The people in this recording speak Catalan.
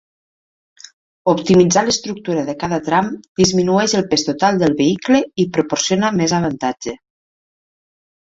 Optimitzar l'estructura de cada tram disminueix el pes total del vehicle i proporciona més avantatge.